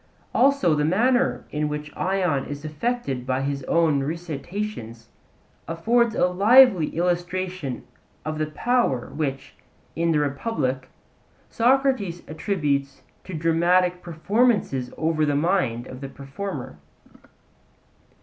Also, the manner in which Ion is affected by his own recitations affords a lively illustration of the power which, in the Republic, Socrates attributes to dramatic performances over the mind of the performer.